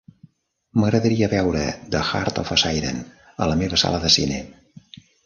M'agradaria veure "The Heart of a Siren" a la meva sala de cine.